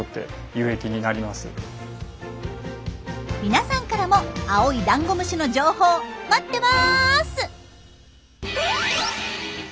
皆さんからも青いダンゴムシの情報待ってます！